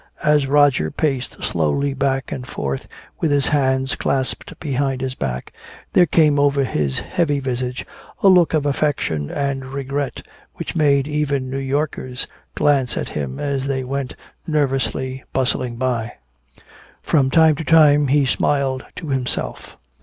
As Roger paced slowly back and forth with his hands clasped behind his back, there came over his heavy visage a look of affection and regret which made even New Yorkers glance at him as they went nervously bustling by. From time to time he smiled to himself.